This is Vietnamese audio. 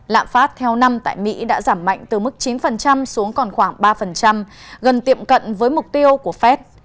lạm phát theo năm tại mỹ đã giảm mạnh từ mức chín xuống còn khoảng ba gần tiệm cận với mục tiêu của fed